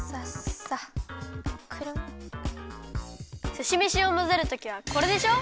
すしめしをまぜるときはこれでしょ？